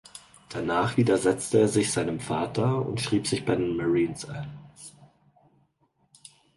Danach widersetzte er sich seinem Vater und schrieb sich bei den Marines ein.